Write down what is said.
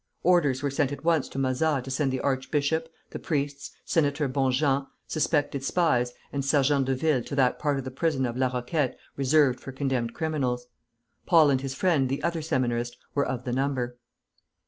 Orders were sent at once to Mazas to send the archbishop, the priests, Senator Bonjean, suspected spies, and sergents de ville to that part of the prison of La Roquette reserved for condemned criminals. Paul and his friend the other Seminarist were of the number.